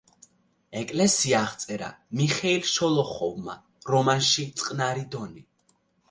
ეკლესია აღწერა მიხეილ შოლოხოვმა რომანში „წყნარი დონი“.